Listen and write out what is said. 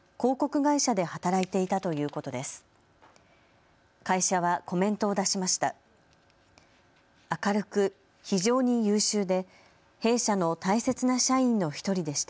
会社はコメントを出しました。